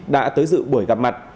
đã tới dự buổi gặp mặt